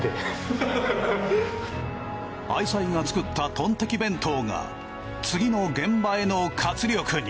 愛妻が作ったトンテキ弁当が次の現場への活力に。